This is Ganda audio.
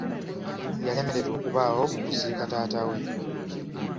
Yalemererwa okubaawo mu kuziika taata we.